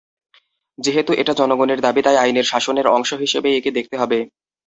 যেহেতু এটা জনগণের দাবি, তাই আইনের শাসনের অংশ হিসেবেই একে দেখতে হবে।